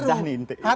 kita berdah nih